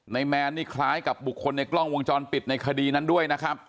แมนนี่คล้ายกับบุคคลในกล้องวงจรปิดในคดีนั้นด้วยนะครับ